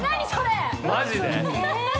マジで？